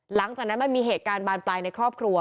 หลังจากนั้นมันมีเหตุการณ์บานปลายในครอบครัว